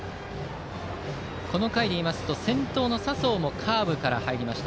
この回で言いますと先頭の佐宗もカーブから入りました。